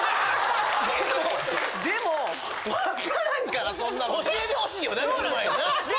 でもでも分からんからそんなの。教えてほしいよな行く前にな。